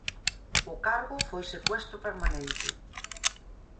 O cargo foi secuestro permanente.